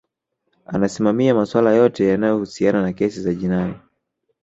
anasimamia maswala yote yanayohusiana na kesi za jinai